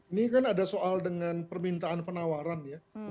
ini kan ada soal dengan permintaan penawaran ya